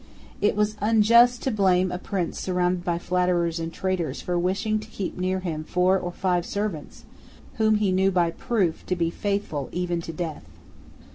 It was unjust to blame a prince surrounded by flatterers and traitors for wishing to keep near him four or five servants whom he knew by proof to be faithful even to death.